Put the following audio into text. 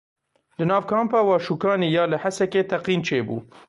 Li nav kampa Waşûkanî ya li Hesekê teqîn çêbû.